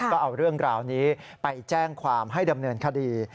ก็เอาเรื่องราวนี้ไปแจ้งความให้ดำเนินคดี